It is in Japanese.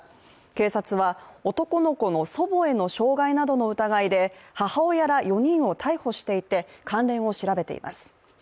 警察は男の子の祖母への傷害などの疑いで母親ら４人を逮捕していて、関連を調べています。